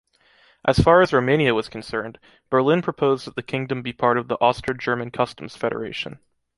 As far as Romania was concerned, Berlin proposed that the kingdom be part of the Austro-German customs federation.